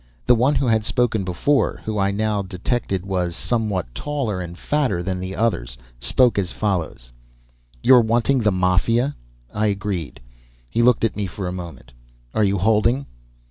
The one who had spoken before, who I now detected was somewhat taller and fatter than the others, spoke as follows: "You're wanting the Mafia?" I agreed. He looked at me for a moment. "Are you holding?"